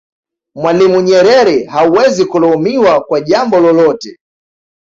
mwalimu nyerere hawezi kulaumiwa kwa jambo lolote